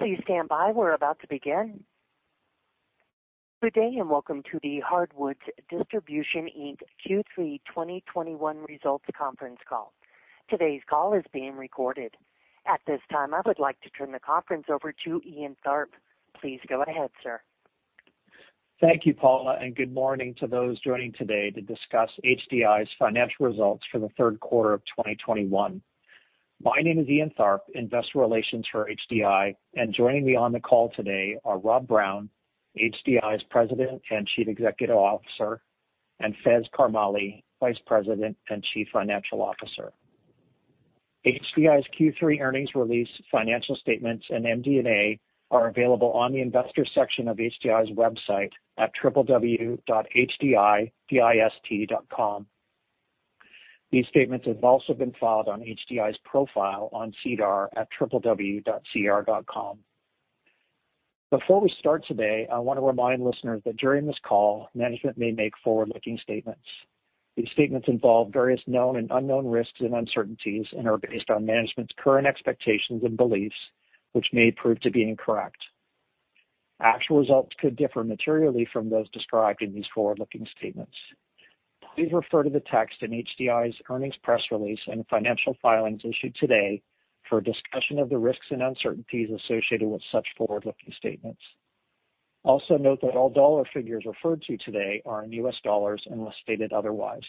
Please stand by. We're about to begin. Good day, and Welcome to the Hardwoods Distribution Inc. Q3 2021 results conference call. Today's call is being recorded. At this time, I would like to turn the conference over to Ian Tharp. Please go ahead, sir. Thank you, Paula, and good morning to those joining today to discuss HDI's financial results for the third quarter of 2021. My name is Ian Tharp, investor relations for HDI, and joining me on the call today are Rob Brown, HDI's President and Chief Executive Officer, and Faiz Karmally, Vice President and Chief Financial Officer. HDI's Q3 earnings release, financial statements, and MD&A are available on the Investors section of HDI's website at www.hdidist.com. These statements have also been filed on HDI's profile on SEDAR at www.sedar.com. Before we start today, I wanna remind listeners that during this call, management may make forward-looking statements. These statements involve various known and unknown risks and uncertainties and are based on management's current expectations and beliefs, which may prove to be incorrect. Actual results could differ materially from those described in these forward-looking statements. Please refer to the text in HDI's earnings press release and financial filings issued today for a discussion of the risks and uncertainties associated with such forward-looking statements. Also note that all dollar figures referred to today are in US dollars unless stated otherwise.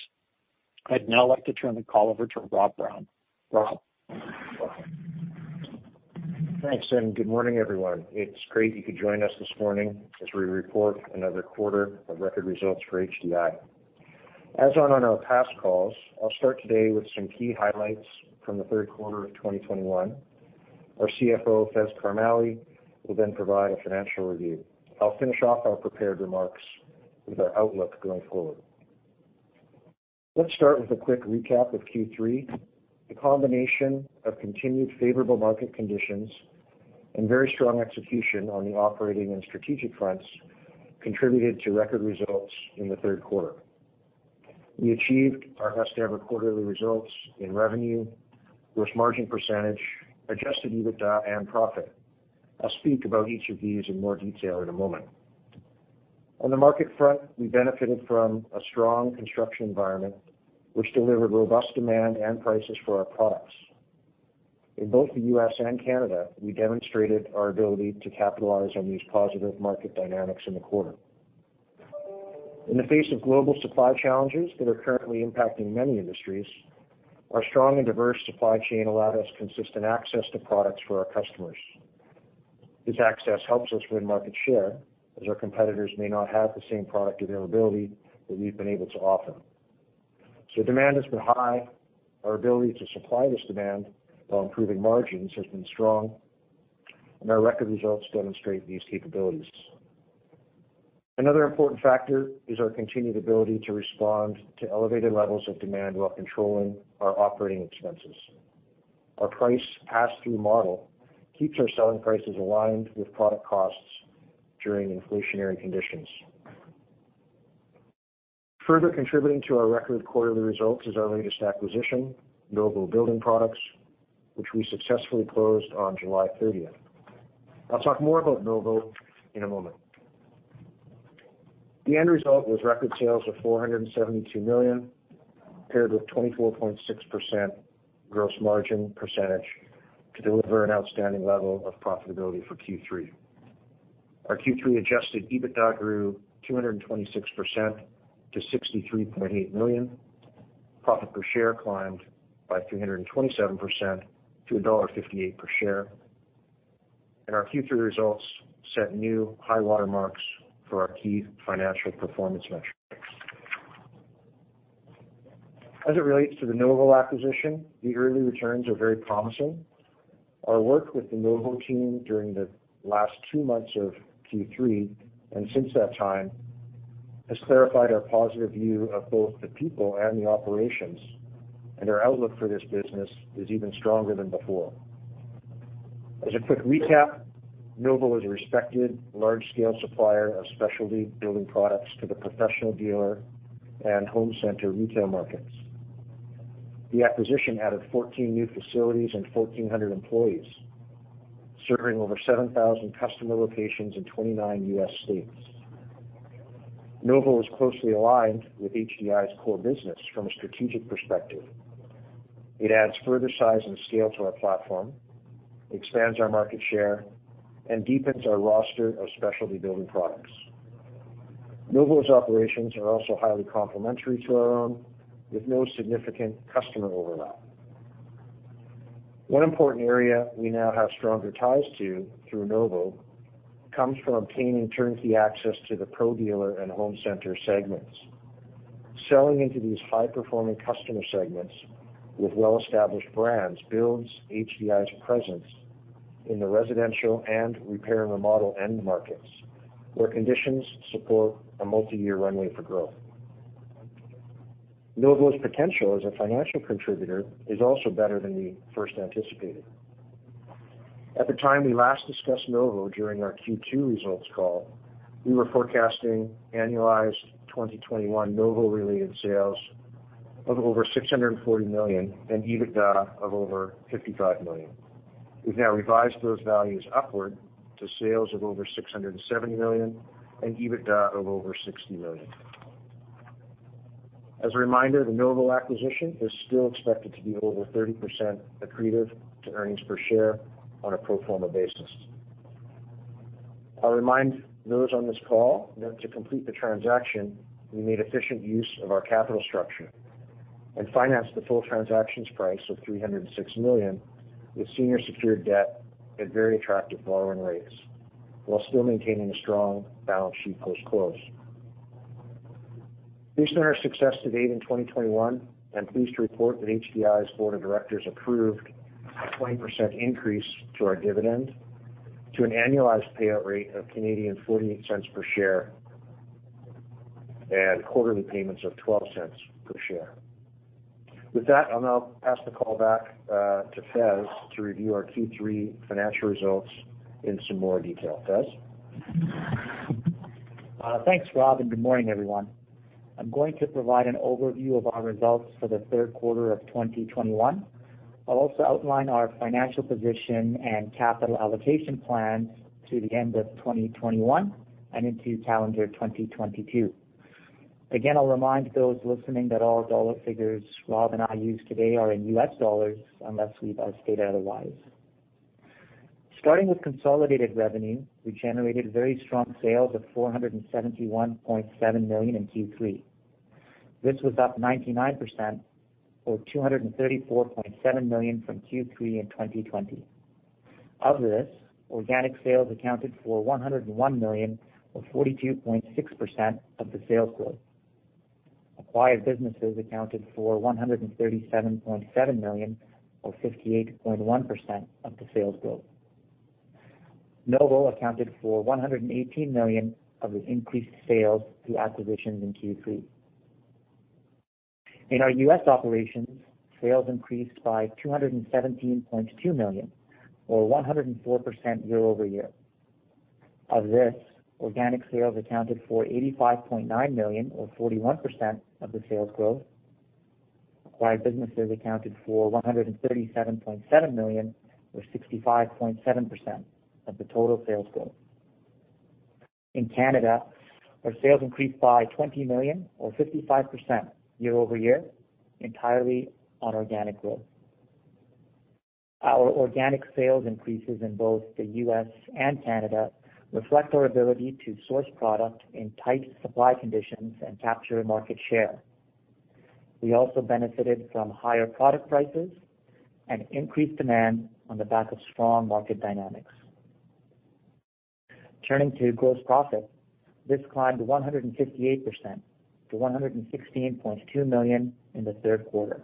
I'd now like to turn the call over to Rob Brown. Rob, welcome. Thanks, Ian. Good morning, everyone. It's great you could join us this morning as we report another quarter of record results for HDI. As on our past calls, I'll start today with some key highlights from the third quarter of 2021. Our CFO, Faiz Karmally, will then provide a financial review. I'll finish off our prepared remarks with our outlook going forward. Let's start with a quick recap of Q3. The combination of continued favorable market conditions and very strong execution on the operating and strategic fronts contributed to record results in the third quarter. We achieved our best ever quarterly results in revenue, gross margin percentage, adjusted EBITDA and profit. I'll speak about each of these in more detail in a moment. On the market front, we benefited from a strong construction environment, which delivered robust demand and prices for our products. In both the U.S. and Canada, we demonstrated our ability to capitalize on these positive market dynamics in the quarter. In the face of global supply challenges that are currently impacting many industries, our strong and diverse supply chain allowed us consistent access to products for our customers. This access helps us win market share, as our competitors may not have the same product availability that we've been able to offer. Demand has been high. Our ability to supply this demand while improving margins has been strong, and our record results demonstrate these capabilities. Another important factor is our continued ability to respond to elevated levels of demand while controlling our operating expenses. Our price pass-through model keeps our selling prices aligned with product costs during inflationary conditions. Further contributing to our record quarterly results is our latest acquisition, Novo Building Products, which we successfully closed on July 30th. I'll talk more about Novo in a moment. The end result was record sales of $472 million, paired with 24.6% gross margin percentage to deliver an outstanding level of profitability for Q3. Our Q3 adjusted EBITDA grew 226% to $63.8 million. Profit per share climbed by 327% to $1.58 per share, and our Q3 results set new high-water marks for our key financial performance metrics. As it relates to the Novo acquisition, the early returns are very promising. Our work with the Novo team during the last two months of Q3 and since that time has clarified our positive view of both the people and the operations, and our outlook for this business is even stronger than before. As a quick recap, Novo is a respected large-scale supplier of specialty building products to the professional dealer and home center retail markets. The acquisition added 14 new facilities and 1,400 employees, serving over 7,000 customer locations in 29 U.S. states. Novo is closely aligned with HDI's core business from a strategic perspective. It adds further size and scale to our platform, expands our market share, and deepens our roster of specialty building products. Novo's operations are also highly complementary to our own, with no significant customer overlap. One important area we now have stronger ties to through Novo comes from obtaining turnkey access to the pro dealer and home center segments. Selling into these high-performing customer segments with well-established brands builds HDI's presence in the residential and repair and remodel end markets, where conditions support a multiyear runway for growth. Novo's potential as a financial contributor is also better than we first anticipated. At the time we last discussed Novo during our Q2 results call, we were forecasting annualized 2021 Novo-related sales of over $640 million and EBITDA of over $55 million. We've now revised those values upward to sales of over $670 million and EBITDA of over $60 million. As a reminder, the Novo acquisition is still expected to be over 30% accretive to earnings per share on a pro forma basis. I'll remind those on this call that to complete the transaction, we made efficient use of our capital structure and financed the full transaction's price of $306 million with senior secured debt at very attractive borrowing rates, while still maintaining a strong balance sheet post-close. Based on our success to date in 2021, I'm pleased to report that HDI's board of directors approved a 20% increase to our dividend to an annualized payout rate of 0.48 per share and quarterly payments of 0.12 per share. With that, I'll now pass the call back to Faiz Karmally to review our Q3 financial results in some more detail. Faiz Karmally? Thanks, Rob, and good morning, everyone. I'm going to provide an overview of our results for the third quarter of 2021. I'll also outline our financial position and capital allocation plans to the end of 2021 and into calendar 2022. Again, I'll remind those listening that all dollar figures Rob and I use today are in US dollars unless we've stated otherwise. Starting with consolidated revenue, we generated very strong sales of $471.7 million in Q3. This was up 99% or $234.7 million from Q3 in 2020. Of this, organic sales accounted for $101 million or 42.6% of the sales growth. Acquired businesses accounted for $137.7 million or 58.1% of the sales growth. Novo accounted for $118 million of the increased sales through acquisitions in Q3. In our U.S. operations, sales increased by $217.2 million or 104% year-over-year. Of this, organic sales accounted for $85.9 million or 41% of the sales growth. Acquired businesses accounted for $137.7 million or 65.7% of the total sales growth. In Canada, our sales increased by $20 million or 55% year-over-year, entirely on organic growth. Our organic sales increases in both the U.S. and Canada reflect our ability to source product in tight supply conditions and capture market share. We also benefited from higher product prices and increased demand on the back of strong market dynamics. Turning to gross profit, this climbed 158% to $116.2 million in the third quarter.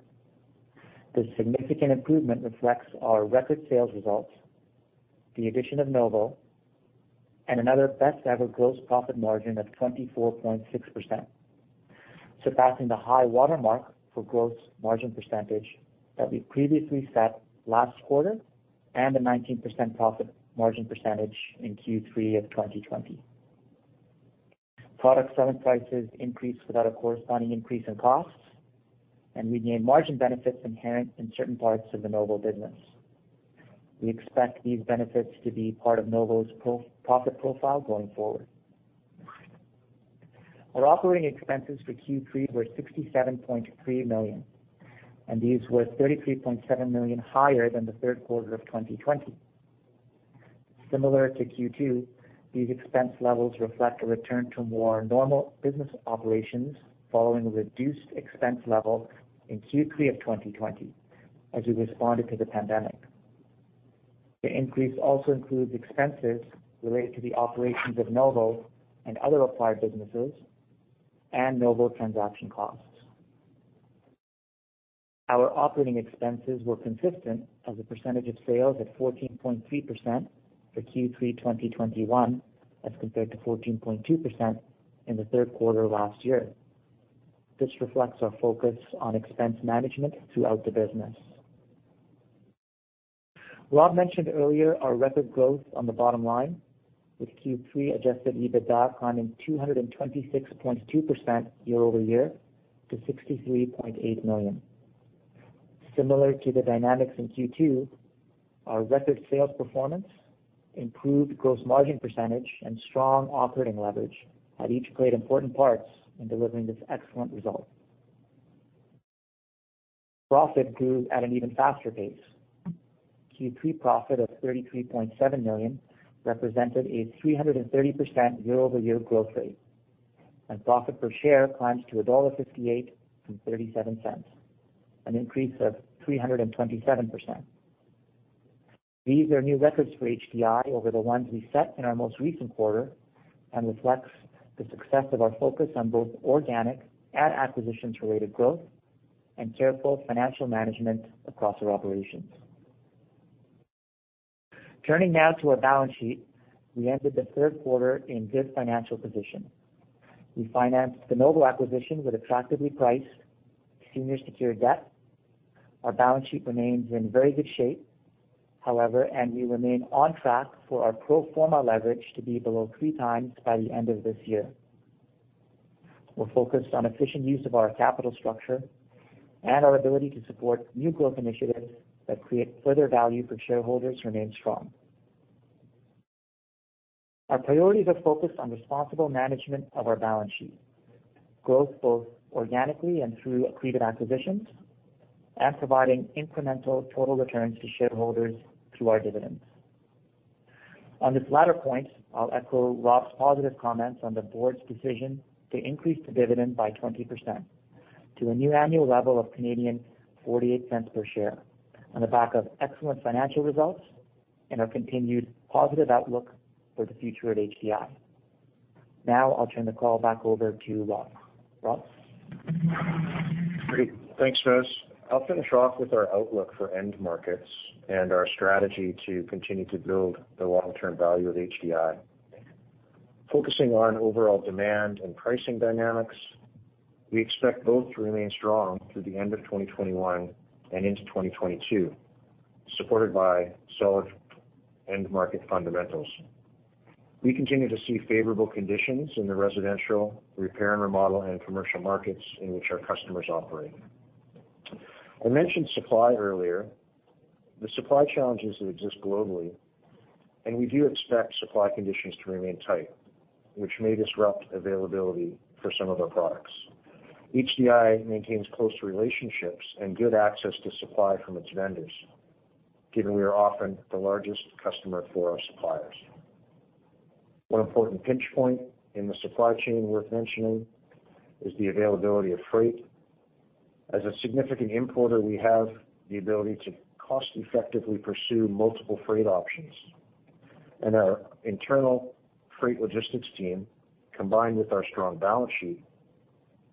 The significant improvement reflects our record sales results, the addition of Novo, and another best ever gross profit margin of 24.6%, surpassing the high watermark for gross margin percentage that we previously set last quarter and the 19% profit margin percentage in Q3 of 2020. Product selling prices increased without a corresponding increase in costs, and we gained margin benefits inherent in certain parts of the Novo business. We expect these benefits to be part of Novo's pro forma profit profile going forward. Our operating expenses for Q3 were $67.3 million, and these were $33.7 million higher than the third quarter of 2020. Similar to Q2, these expense levels reflect a return to more normal business operations following reduced expense levels in Q3 of 2020, as we responded to the pandemic. The increase also includes expenses related to the operations of Novo and other acquired businesses and Novo transaction costs. Our operating expenses were consistent as a percentage of sales at 14.3% for Q3 2021 as compared to 14.2% in the third quarter last year. This reflects our focus on expense management throughout the business. Rob mentioned earlier our record growth on the bottom line, with Q3 adjusted EBITDA climbing 226.2% year-over-year to $63.8 million. Similar to the dynamics in Q2, our record sales performance, improved gross margin percentage, and strong operating leverage each played important parts in delivering this excellent result. Profit grew at an even faster pace. Q3 profit of $33.7 million represented a 330% year-over-year growth rate, and profit per share climbs to $1.58 from $0.37, an increase of 327%. These are new records for HDI over the ones we set in our most recent quarter and reflects the success of our focus on both organic and acquisitions-related growth and careful financial management across our operations. Turning now to our balance sheet. We ended the third quarter in good financial position. We financed the Novo acquisition with attractively priced senior secured debt. Our balance sheet remains in very good shape, however, and we remain on track for our pro forma leverage to be below 3x by the end of this year. We're focused on efficient use of our capital structure and our ability to support new growth initiatives that create further value for shareholders remain strong. Our priorities are focused on responsible management of our balance sheet, growth both organically and through accretive acquisitions, and providing incremental total returns to shareholders through our dividends. On this latter point, I'll echo Rob's positive comments on the board's decision to increase the dividend by 20% to a new annual level of 0.48 per share on the back of excellent financial results and our continued positive outlook for the future at HDI. Now I'll turn the call back over to Rob. Rob? Great. Thanks, Faiz. I'll finish off with our outlook for end markets and our strategy to continue to build the long-term value of HDI. Focusing on overall demand and pricing dynamics, we expect both to remain strong through the end of 2021 and into 2022, supported by solid end market fundamentals. We continue to see favorable conditions in the residential repair and remodel and commercial markets in which our customers operate. I mentioned supply earlier, the supply challenges that exist globally, and we do expect supply conditions to remain tight, which may disrupt availability for some of our products. HDI maintains close relationships and good access to supply from its vendors, given we are often the largest customer for our suppliers. One important pinch point in the supply chain worth mentioning is the availability of freight. As a significant importer, we have the ability to cost effectively pursue multiple freight options, and our internal freight logistics team, combined with our strong balance sheet,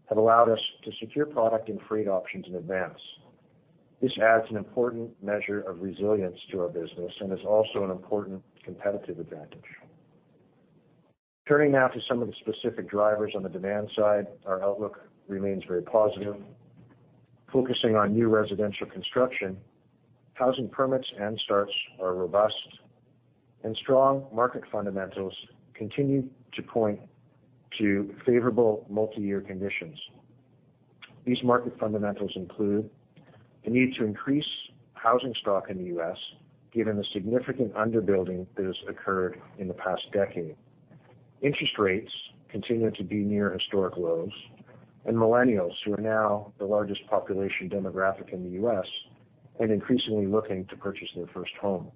have allowed us to secure product and freight options in advance. This adds an important measure of resilience to our business and is also an important competitive advantage. Turning now to some of the specific drivers on the demand side, our outlook remains very positive. Focusing on new residential construction, housing permits and starts are robust and strong market fundamentals continue to point to favorable multi-year conditions. These market fundamentals include the need to increase housing stock in the U.S. given the significant underbuilding that has occurred in the past decade. Interest rates continue to be near historic lows, and millennials, who are now the largest population demographic in the U.S. and increasingly looking to purchase their first home.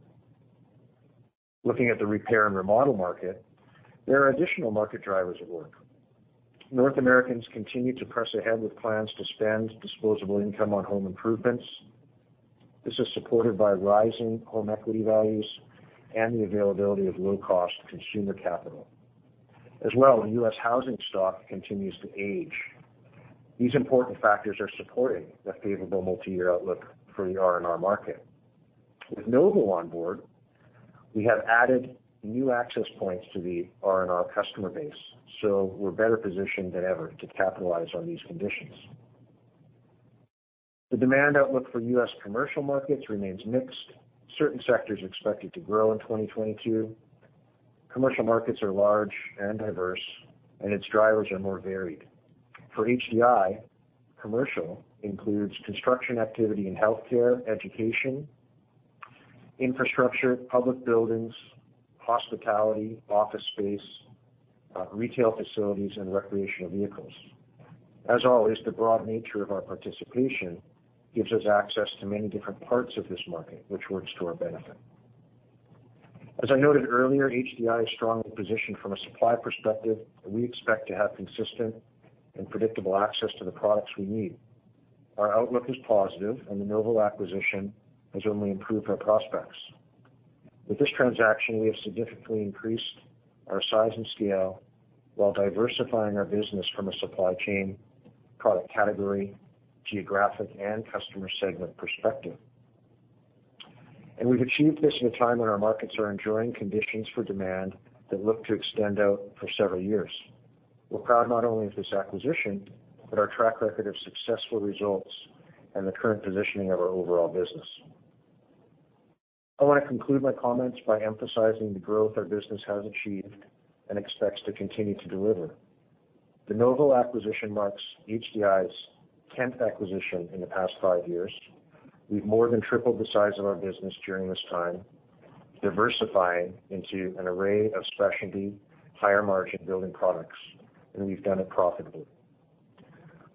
Looking at the repair and remodel market, there are additional market drivers at work. North Americans continue to press ahead with plans to spend disposable income on home improvements. This is supported by rising home equity values and the availability of low-cost consumer capital. As well, the U.S. housing stock continues to age. These important factors are supporting the favorable multi-year outlook for the R&R market. With Novo on board, we have added new access points to the R&R customer base, so we're better positioned than ever to capitalize on these conditions. The demand outlook for U.S. commercial markets remains mixed. Certain sectors are expected to grow in 2022. Commercial markets are large and diverse, and its drivers are more varied. For HDI, commercial includes construction activity in healthcare, education, infrastructure, public buildings, hospitality, office space, retail facilities and recreational vehicles. As always, the broad nature of our participation gives us access to many different parts of this market, which works to our benefit. As I noted earlier, HDI is strongly positioned from a supply perspective, and we expect to have consistent and predictable access to the products we need. Our outlook is positive, and the Novo acquisition has only improved our prospects. With this transaction, we have significantly increased our size and scale while diversifying our business from a supply chain, product category, geographic and customer segment perspective. We've achieved this in a time when our markets are enduring conditions for demand that look to extend out for several years. We're proud not only of this acquisition, but our track record of successful results and the current positioning of our overall business. I want to conclude my comments by emphasizing the growth our business has achieved and expects to continue to deliver. The Novo acquisition marks HDI's 10th acquisition in the past 5 years. We've more than tripled the size of our business during this time, diversifying into an array of specialty higher margin building products, and we've done it profitably.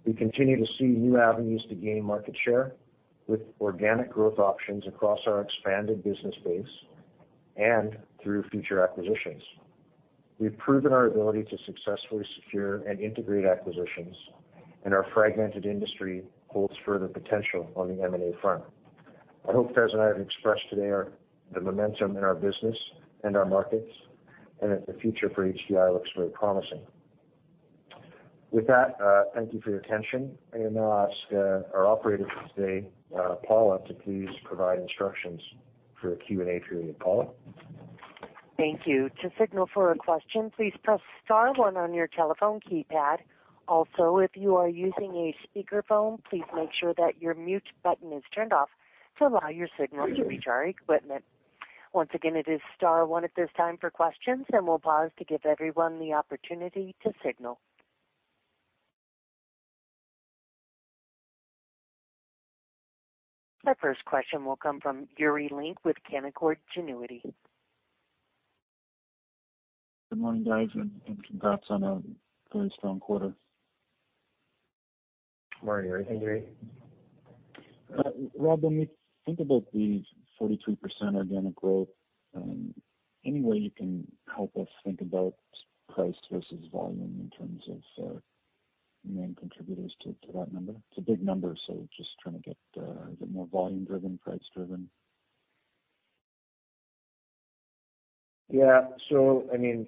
We continue to see new avenues to gain market share with organic growth options across our expanded business base and through future acquisitions. We've proven our ability to successfully secure and integrate acquisitions, and our fragmented industry holds further potential on the M&A front. I hope Faz and I have expressed today the momentum in our business and our markets, and that the future for HDI looks very promising. With that, thank you for your attention. I am going to ask, our operator for today, Paula, to please provide instructions for the Q&A period. Paula? Thank you. To signal for a question, please press star one on your telephone keypad. Also, if you are using a speakerphone, please make sure that your mute button is turned off to allow your signal to reach our equipment. Once again, it is star one if there's time for questions, and we'll pause to give everyone the opportunity to signal. Our first question will come from Yuri Lynk with Canaccord Genuity. Good morning, guys, and congrats on a really strong quarter. Morning, Yuri. How are you? Rob, when we think about the 42% organic growth, any way you can help us think about price versus volume in terms of main contributors to that number? It's a big number, so just trying to get is it more volume driven, price driven? Yeah. I mean,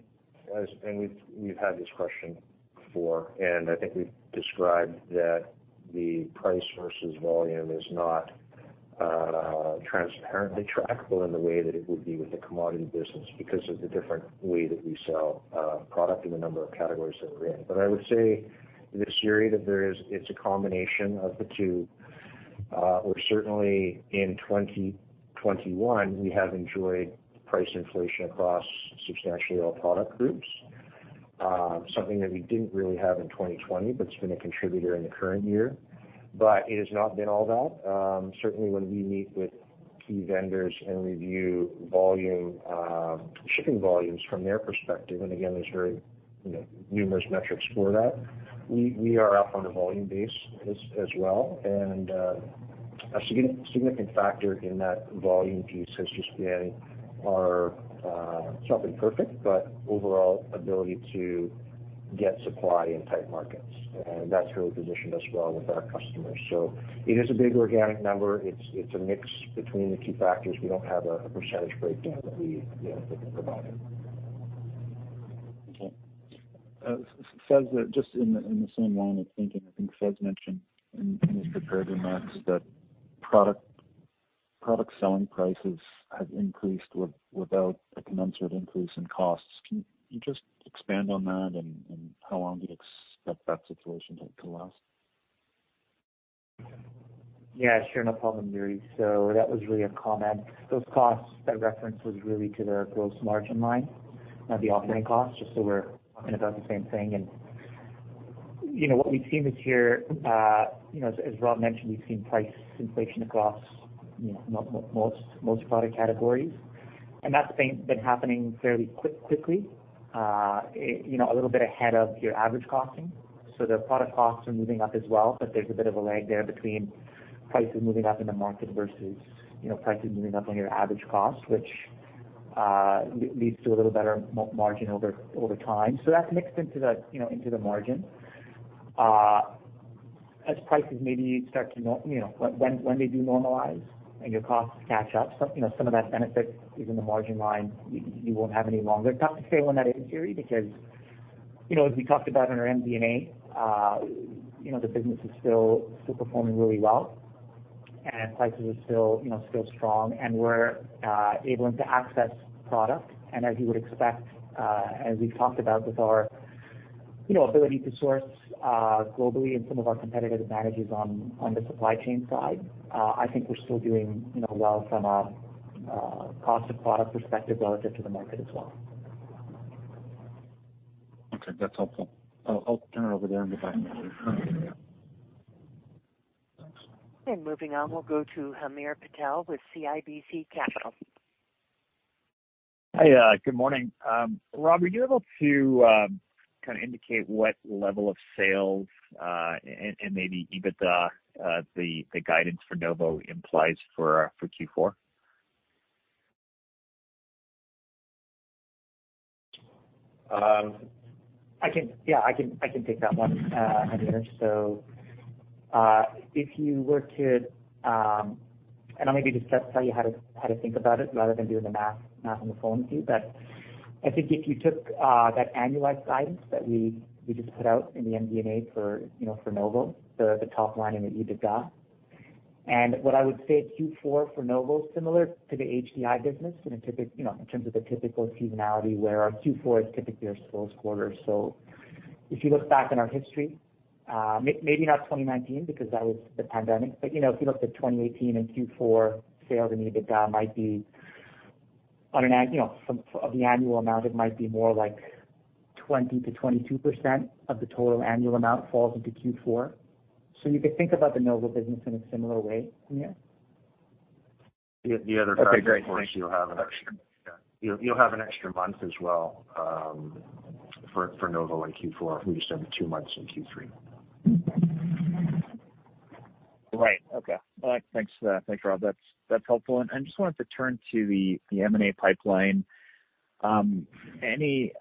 we've had this question before, and I think we've described that the price versus volume is not transparently trackable in the way that it would be with the commodity business because of the different way that we sell product in the number of categories that we're in. I would say this, Yuri, that it's a combination of the two. We're certainly in 2021, we have enjoyed price inflation across substantially all product groups, something that we didn't really have in 2020, but it's been a contributor in the current year. It has not been all that. Certainly, when we meet with key vendors and review volume, shipping volumes from their perspective, and again, there's very, you know, numerous metrics for that, we are up on a volume base as well. A significant factor in that volume piece has just been our, it's nothing perfect, but overall ability to get supply in tight markets. That's really positioned us well with our customers. It is a big organic number. It's a mix between the key factors. We don't have a percentage breakdown, but we, you know, think about it. Okay. Sez, just in the same line of thinking, I think Sez mentioned in his prepared remarks that product selling prices have increased without a commensurate increase in costs. Can you just expand on that and how long do you expect that situation to last? Yeah, sure. No problem, Yuri. That was really a comment. Those costs by reference was really to the gross margin line, not the operating costs, just so we're talking about the same thing. You know, what we've seen this year, you know, as Rob mentioned, we've seen price inflation across, you know, most product categories. That's been happening fairly quickly, you know, a little bit ahead of your average costing. The product costs are moving up as well, but there's a bit of a lag there between prices moving up in the market versus, you know, prices moving up on your average cost, which leads to a little better margin over time. That's mixed into the, you know, into the margin. As prices maybe start to normalize, you know, when they do normalize and your costs catch up, some, you know, some of that benefit is in the margin line, you won't have any longer. It's not material in that area, Yuri, because, you know, as we talked about in our MD&A, you know, the business is still performing really well, and prices are still, you know, strong, and we're able to access product. As you would expect, as we've talked about with our, you know, ability to source globally and some of our competitive advantages on the supply chain side, I think we're still doing, you know, well from a cost of product perspective relative to the market as well. Okay. That's helpful. I'll turn it over there in the back. Thanks. Moving on, we'll go to Hamir Patel with CIBC Capital. Hi. Good morning. Rob, are you able to kind of indicate what level of sales and maybe EBITDA the guidance for Novo implies for Q4? I can take that one, Hamir. If you were to, and I'll maybe just tell you how to think about it rather than doing the math on the phone with you. But I think if you took that annualized guidance that we just put out in the MD&A for, you know, for Novo, the top line and the EBITDA. What I would say Q4 for Novo is similar to the HDI business in a typical, you know, in terms of the typical seasonality where our Q4 is typically our slowest quarter. If you look back in our history, maybe not 2019 because that was the pandemic. You know, if you looked at 2018 and Q4 sales and EBITDA might be some of the annual amount, it might be more like 20%-22% of the total annual amount falls into Q4. You could think about the Novo business in a similar way, Hamir. The other factor, of course, you'll have an extra- Okay, great. You'll have an extra month as well, for Novo in Q4. We just have the two months in Q3. Right. Okay. Well, thanks for that. Thanks, Rob. That's helpful. I just wanted to turn to the M&A pipeline. Anything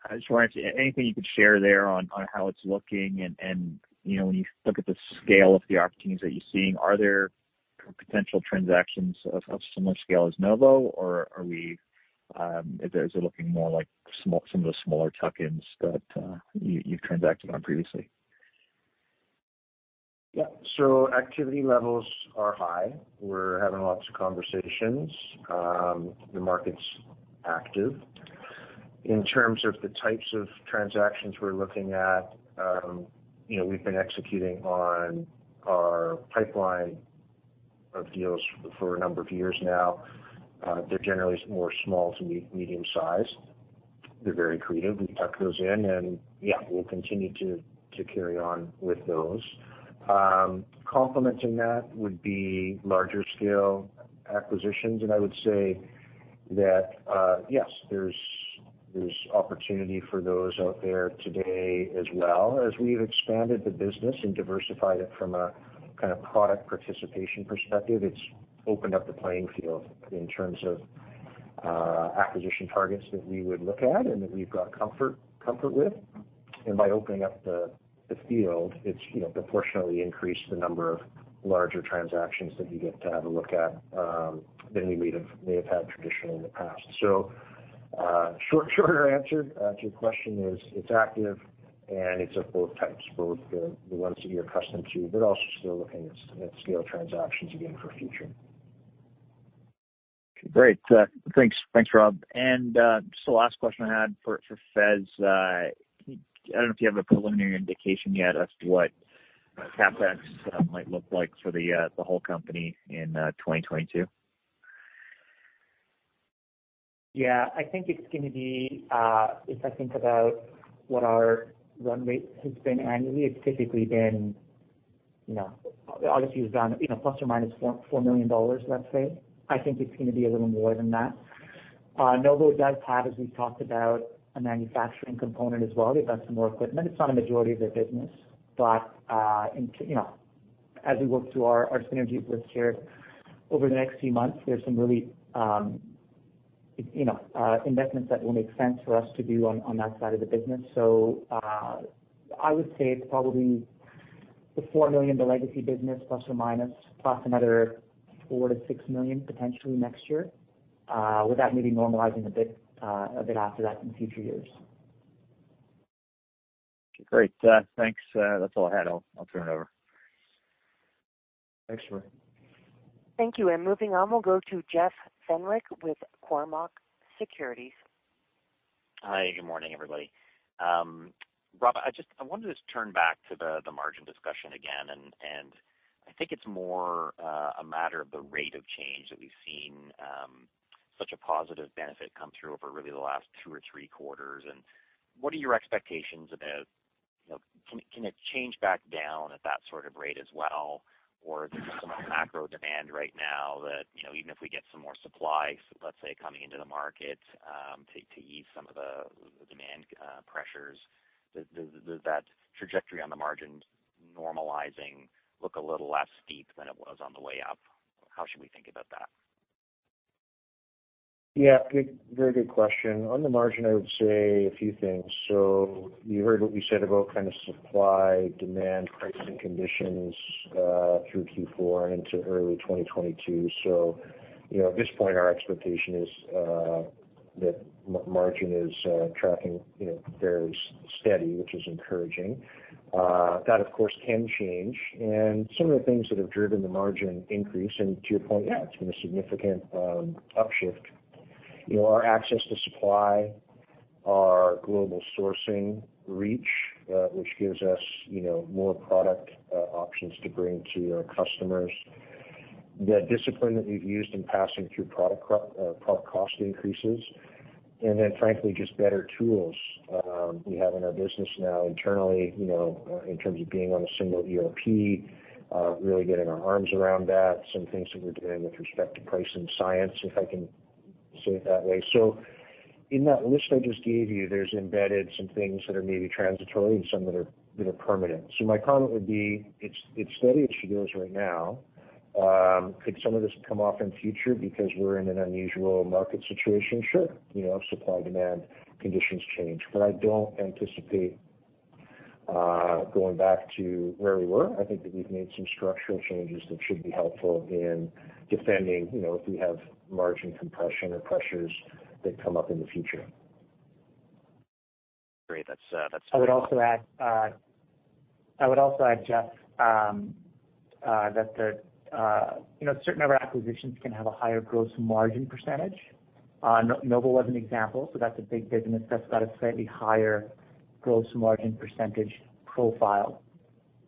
you could share there on how it's looking and, you know, when you look at the scale of the opportunities that you're seeing, are there potential transactions of similar scale as Novo, or are we? Is it looking more like some of the smaller tuck-ins that you've transacted on previously? Yeah. Activity levels are high. We're having lots of conversations. The market's active. In terms of the types of transactions we're looking at, you know, we've been executing on our pipeline of deals for a number of years now. They're generally more small to medium-sized. They're very creative. We tuck those in and, we'll continue to carry on with those. Complementing that would be larger scale acquisitions. I would say that, yes, there's opportunity for those out there today as well. As we've expanded the business and diversified it from a kind of product participation perspective, it's opened up the playing field in terms of, acquisition targets that we would look at and that we've got comfort with. By opening up the field, it's, you know, proportionately increased the number of larger transactions that we get to have a look at than we may have had traditionally in the past. Shorter answer to your question is it's active and it's of both types, both the ones that you're accustomed to, but also still looking at scale transactions again for future. Great. Thanks. Thanks, Rob. Just the last question I had for Faiz Karmally. I don't know if you have a preliminary indication yet as to what CapEx might look like for the whole company in 2022. Yeah, I think it's gonna be if I think about what our run rate has been annually. It's typically been, you know, obviously plus or minus $4 million, let's say. I think it's gonna be a little more than that. Novo does have, as we've talked about, a manufacturing component as well. They've got some more equipment. It's not a majority of their business. You know, as we work through our synergies with Novo over the next few months, there's some real investments that will make sense for us to do on that side of the business. I would say it's probably the $4 million, the legacy business plus or minus, plus another $4 million-$6 million potentially next year, with that maybe normalizing a bit after that in future years. Great. Thanks. That's all I had. I'll turn it over. Thanks, Hamir Patel. Thank you. Moving on, we'll go to Jeff Fenwick with Cormark Securities. Hi, good morning, everybody. Rob, I wanted to turn back to the margin discussion again, and I think it's more a matter of the rate of change that we've seen such a positive benefit come through over really the last two or three quarters. What are your expectations about, you know, can it change back down at that sort of rate as well? Or there's just so much macro demand right now that, you know, even if we get some more supply, let's say, coming into the market to ease some of the demand pressures. Does that trajectory on the margins normalizing look a little less steep than it was on the way up? How should we think about that? Yeah, good. Very good question. On the margin, I would say a few things. You heard what we said about kind of supply, demand, pricing conditions through Q4 and into early 2022. You know, at this point, our expectation is that margin is tracking very steady, which is encouraging. That of course can change. Some of the things that have driven the margin increase, and to your point, yeah, it's been a significant upshift. You know, our access to supply, our global sourcing reach, which gives us more product options to bring to our customers. The discipline that we've used in passing through product cost increases, and then frankly, just better tools we have in our business now internally, you know, in terms of being on a single ERP, really getting our arms around that, some things that we're doing with respect to pricing science, if I can say it that way. In that list I just gave you, there's embedded some things that are maybe transitory and some that are permanent. So, my comment would be its steady as she goes right now. Could some of this come off in future because we're in an unusual market situation? Sure. You know, supply, demand conditions change. I don't anticipate going back to where we were. I think that we've made some structural changes that should be helpful in defending, you know, if we have margin compression or pressures that come up in the future. Great. That's very helpful. I would also add, Jeff, that you know, a certain number of acquisitions can have a higher gross margin percentage. Novo was an example. That's a big business that's got a slightly higher gross margin percentage profile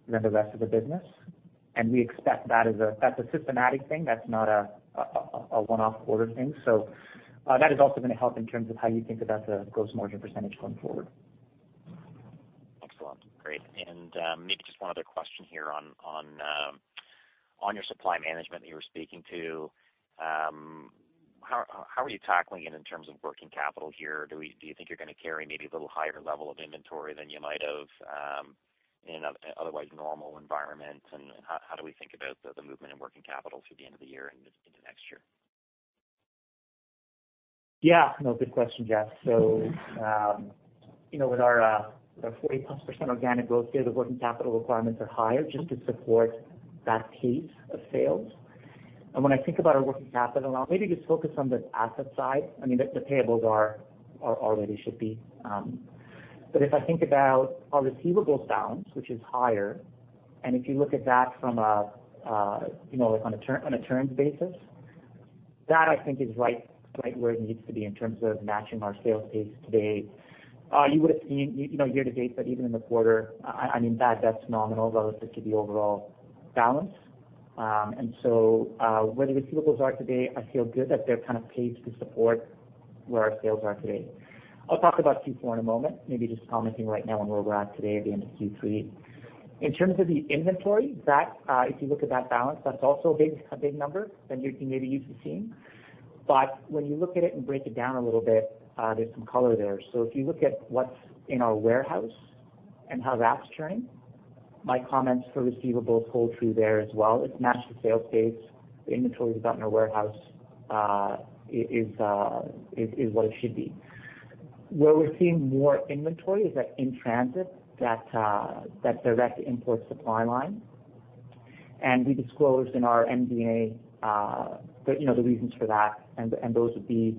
than the rest of the business. We expect that that's a systematic thing. That's not a one-off order thing. That is also gonna help in terms of how you think about the gross margin percentage going forward. Excellent. Great. Maybe just one other question here on your supply management that you were speaking to. How are you tackling it in terms of working capital here? Do you think you're gonna carry maybe a little higher level of inventory than you might have in otherwise normal environment? How do we think about the movement in working capital through the end of the year and into next year? Yeah. No, good question, Jeff. You know, with our 40% organic growth here, the working capital requirements are higher just to support that pace of sales. When I think about our working capital now, maybe just focus on the asset side. I mean, the payables are already should be. If I think about our receivables balance, which is higher, and if you look at that from a you know, like on a term, on a term's basis, that I think is right where it needs to be in terms of matching our sales pace today. You would have seen, you know, year to date, but even in the quarter, I mean that's nominal relative to the overall balance. Where the receivables are today, I feel good that they're kind of paced to support where our sales are today. I'll talk about Q4 in a moment, maybe just commenting right now on where we're at today at the end of Q3. In terms of the inventory, that if you look at that balance, that's also a big number than you're maybe used to seeing. When you look at it and break it down a little bit, there's some color there. If you look at what's in our warehouse and how that's turning, my comments for receivables hold true there as well. It's matched to sales pace. The inventory we've got in our warehouse is what it should be. Where we're seeing more inventory is in transit, that direct import supply line. We disclosed in our MD&A, you know, the reasons for that, and those would be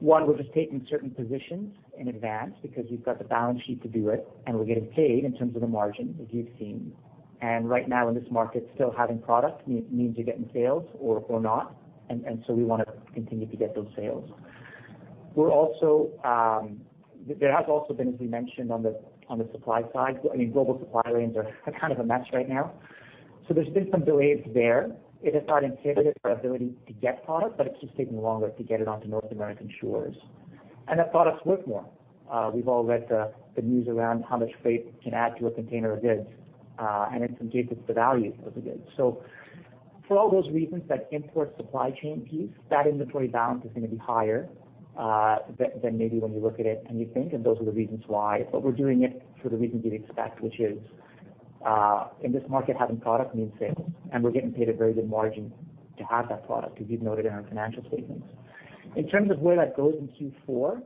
one, we're just taking certain positions in advance because we've got the balance sheet to do it, and we're getting paid in terms of the margin, as you've seen. Right now, in this market, still having product needs, you're getting sales or not. We want to continue to get those sales. There has also been, as we mentioned on the supply side, I mean, global supply lanes are kind of a mess right now. There's been some delays there. It has not impeded our ability to get product, but it keeps taking longer to get it onto North American shores. That product's worth more. We've all read the news around how much freight can add to a container of goods, and in some cases, the value of the goods. For all those reasons, that import supply chain piece, that inventory balance is gonna be higher, than maybe when you look at it and you think, and those are the reasons why. We're doing it for the reason you'd expect, which is, in this market, having product means sales, and we're getting paid a very good margin to have that product, as you've noted in our financial statements. In terms of where that goes in Q4,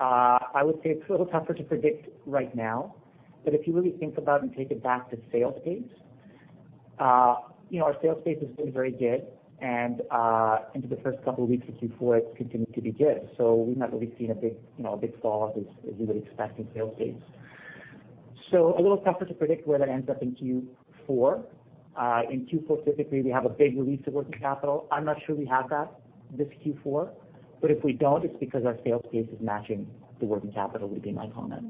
I would say it's a little tougher to predict right now. If you really think about and take it back to sales pace, you know, our sales pace has been very good and, into the first couple of weeks of Q4, it's continued to be good. We've not really seen a big, you know, a big fall-off as you would expect in sales pace. A little tougher to predict where that ends up in Q4. In Q4 specifically, we have a big release of working capital. I'm not sure we have that this Q4, but if we don't, it's because our sales pace is matching the working capital would be my comment.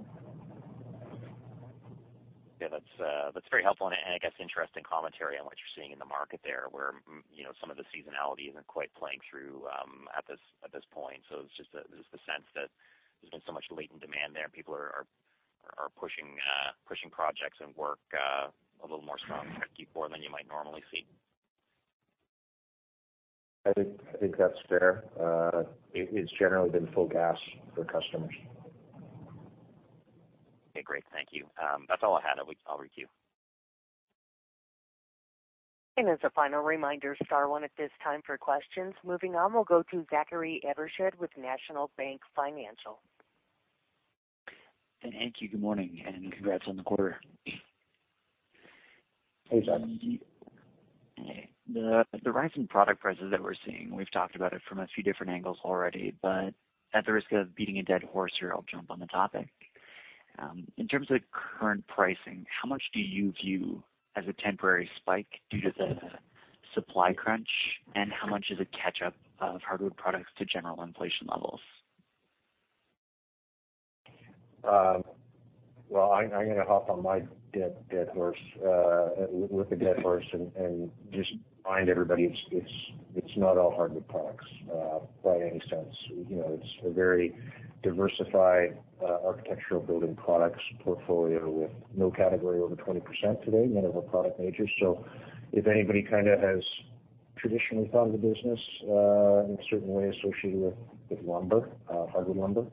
Yeah, that's very helpful and I guess interesting commentary on what you're seeing in the market there, where you know, some of the seasonality isn't quite playing through at this point. So, it's just the sense that there's been so much latent demand there, people are pushing projects and work a little more strong into Q4 than you might normally see. I think that's fair. It's generally been full gas for customers. Okay, great. Thank you. That's all I had. I'll queue. As a final reminder, star one at this time for questions. Moving on, we'll go to Zachary Evershed with National Bank Financial. Thank you. Good morning, and congrats on the quarter. Thanks, Zach. The rise in product prices that we're seeing, we've talked about it from a few different angles already, but at the risk of beating a dead horse here, I'll jump on the topic. In terms of current pricing, how much do you view as a temporary spike due to the supply crunch, and how much is a catch up of hardwood products to general inflation levels? Well, I'm gonna hop on my dead horse with the dead horse and just remind everybody it's not all hardwood products by any sense. You know, it's a very diversified architectural building products portfolio with no category over 20% today, none of our product majors. If anybody kind of has traditionally thought of the business in a certain way associated with lumber, hardwood lumber,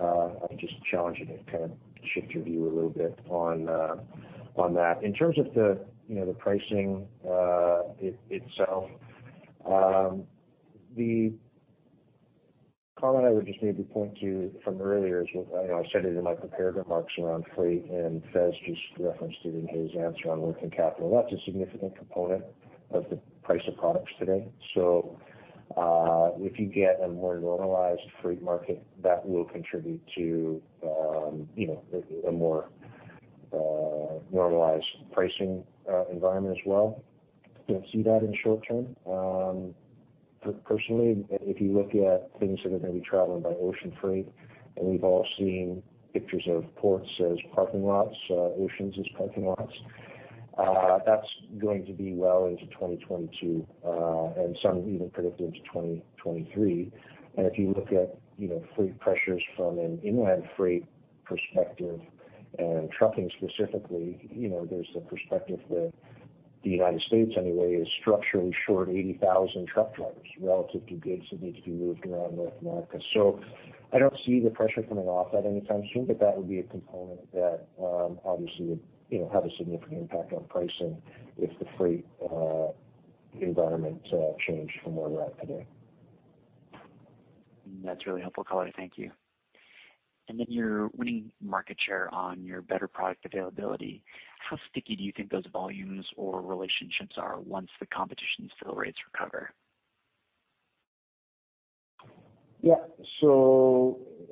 I would just challenge you to kind of shift your view a little bit on that. In terms of the pricing itself, the comment I would just maybe point to from earlier is what I said in my prepared remarks around freight, and Faiz just referenced it in his answer on working capital. That's a significant component of the price of products today. If you get a more normalized freight market, that will contribute to, you know, a more normalized pricing environment as well. Don't see that in the short term. Personally, if you look at things that are gonna be traveling by ocean freight, and we've all seen pictures of ports as parking lots, oceans as parking lots, that's going to be well into 2022, and some even predicted into 2023. If you look at, you know, freight pressures from an inland freight perspective and trucking specifically, you know, there's the perspective that the United States anyway is structurally short 80,000 truck drivers relative to goods that need to be moved around North America. I don't see the pressure coming off that anytime soon, but that would be a component that obviously would, you know, have a significant impact on pricing if the freight environment changed from where we're at today. That's really helpful, Faiz. Thank you. You're winning market share on your better product availability. How sticky do you think those volumes or relationships are once the competition fill rates recover?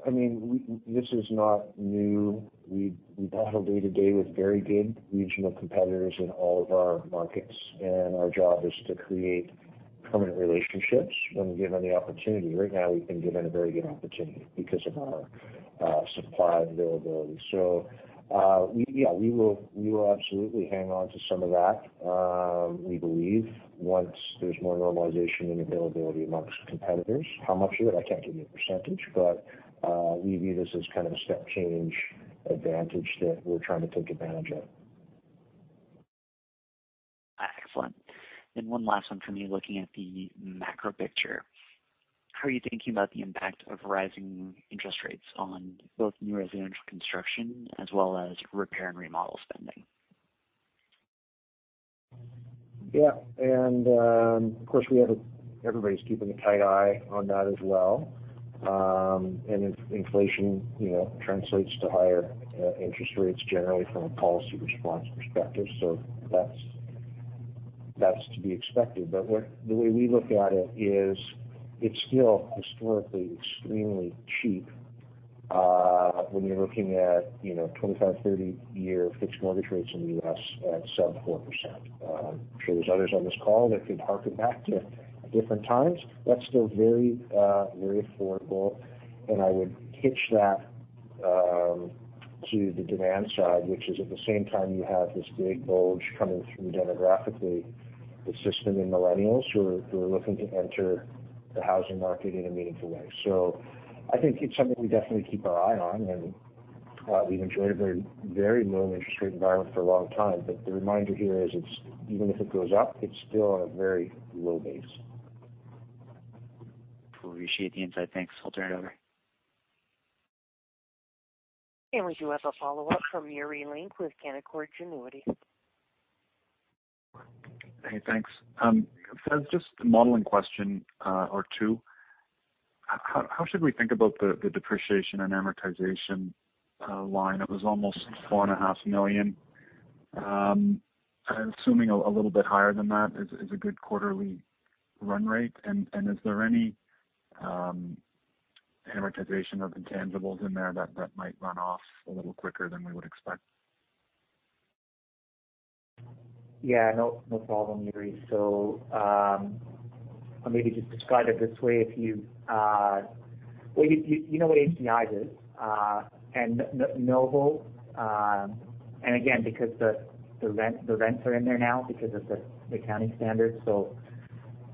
I mean, this is not new. We battle day-to-day with very good regional competitors in all of our markets, and our job is to create permanent relationships when given the opportunity. Right now, we've been given a very good opportunity because of our supply availability. We will absolutely hang on to some of that. We believe once there's more normalization and availability among competitors. How much of it? I can't give you a percentage, but we view this as kind of a step change advantage that we're trying to take advantage of. Excellent. One last one from me looking at the macro picture. How are you thinking about the impact of rising interest rates on both new residential construction as well as repair and remodel spending? Yeah. Of course, we have everybody's keeping a tight eye on that as well. Inflation, you know, translates to higher interest rates generally from a policy response perspective. That's to be expected. The way we look at it is it's still historically extremely cheap when you're looking at, you know, 25,30-year fixed mortgage rates in the U.S. at sub 4%. I'm sure there's others on this call that could harken back to different times. That's still very affordable, and I would pitch that to the demand side, which is at the same time you have this big bulge coming through demographically that's just been in millennials who are looking to enter the housing market in a meaningful way. I think it's something we definitely keep an eye on, and we've enjoyed a very, very low-interest rate environment for a long time. The reminder here is it's even if it goes up, it's still on a very low base. Appreciate the insight. Thanks. I'll turn it over. We do have a follow-up from Yuri Lynk with Canaccord Genuity. Hey, thanks. Faiz, just a modeling question or two. How should we think about the depreciation and amortization line? It was almost $4.5 million. I'm assuming a little bit higher than that is a good quarterly run rate. Is there any amortization of intangibles in there that might run off a little quicker than we would expect? Yeah. No, no problem, Yuri. I'll maybe just describe it this way. Well, you know what HDI did, and Novo, and again, because the rents are in there now because of the accounting standards. You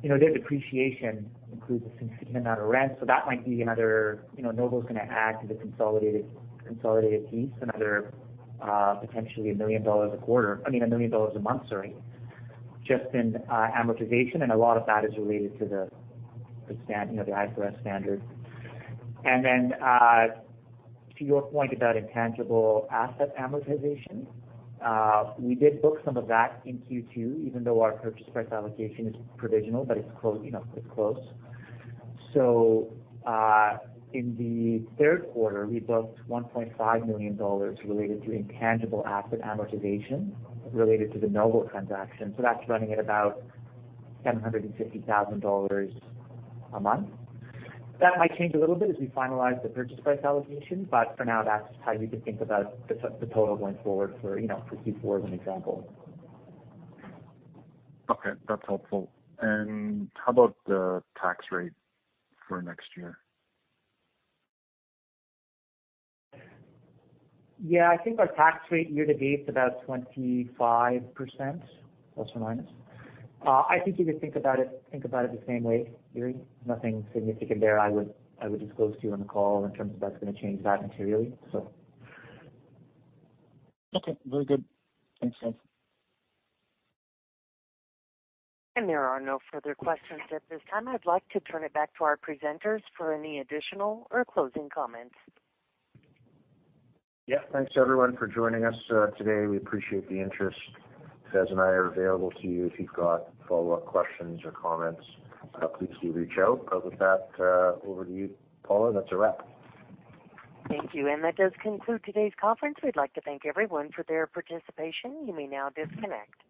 know, their depreciation includes a significant amount of rent. That might be another, you know, Novo's going to add to the consolidated piece another, potentially $1 million a quarter. I mean, $1 million a month, sorry, just in amortization, and a lot of that is related to the standard. You know, the IFRS standard. To your point about intangible asset amortization, we did book some of that in Q2, even though our purchase price allocation is provisional, but it's close. You know, it's close. In the third quarter, we booked $1.5 million related to intangible asset amortization related to the Novo transaction, so that's running at about $750,000 a month. That might change a little bit as we finalize the purchase price allocation, but for now, that's how you can think about the total going forward, you know, for Q4 as an example. Okay, that's helpful. How about the tax rate for next year? Yeah. I think our tax rate year to date is about 25%, plus or minus. I think you could think about it the same way, Yuri. Nothing significant there I would disclose to you on the call in terms of that's gonna change that materially, so. Okay, very good. Thanks, Fez. There are no further questions at this time. I'd like to turn it back to our presenters for any additional or closing comments. Yeah. Thanks, everyone, for joining us today. We appreciate the interest. Faiz and I are available to you if you've got follow-up questions or comments. Please do reach out. With that, over to you, Paula. That's a wrap. Thank you. That does conclude today's conference. We'd like to thank everyone for their participation. You may now disconnect.